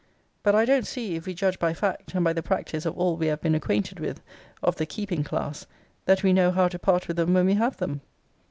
But I don't see, if we judge by fact, and by the practice of all we have been acquainted with of the keeping class, that we know how to part with them when we have them.